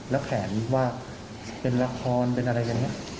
แล้วแขนว่าเป็นละครเป็นอะไรอย่างนี้